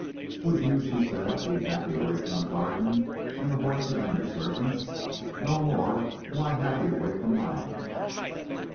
"Would you," she said, "be happy away from the Garden, and the horses and your servants? No more am I happy away from my home."